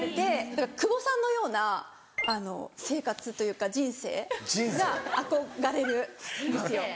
だから久保さんのような生活というか人生が憧れるんですよ。